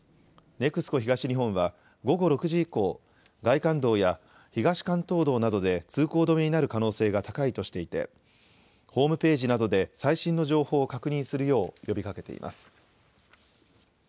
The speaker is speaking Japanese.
ＮＥＸＣＯ東日本は、午後６時以降、外環道や東関東道などで通行止めになる可能性が高いとして、ホームページなどで最新の情報を確認するよう、呼びかけています。